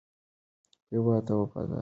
هېواد ته وفادار پاتې شئ.